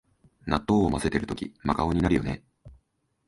納豆をまぜてるとき真顔になるよね